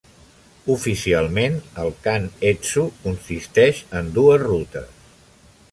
Oficialment, el Kan-Etsu consisteix en dues rutes.